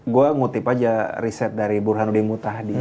gue ngutip aja riset dari burhanudin mutahdi